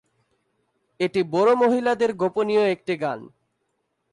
এটি বোরো মহিলাদের গোপনীয় একটি গান।